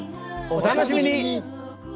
お楽しみに。